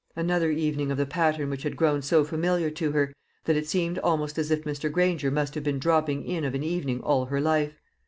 Another evening of the pattern which had grown so familiar to her, that it seemed almost as if Mr. Granger must have been dropping in of an evening all her life.